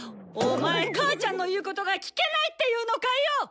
オマエ母ちゃんの言うことが聞けないっていうのかよ！